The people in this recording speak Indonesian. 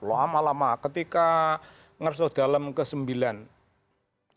lama lama ketika ngeresoh dalam ke sembilan yogyakarta